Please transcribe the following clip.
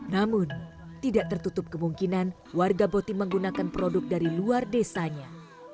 namun tidak tertutup kemungkinan warga boti menggunakan produk dari luar desanya